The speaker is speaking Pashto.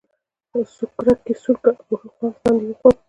سوکړک یې سوړ کړ او ښه په خوند خوند یې وخوړ.